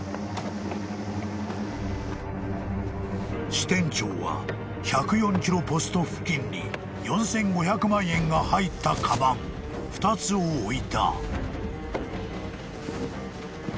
［支店長は１０４キロポスト付近に４，５００万円が入ったかばん２つを置いた］